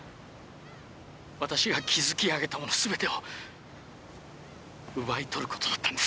私が築き上げたものすべてを奪い取ることだったんです。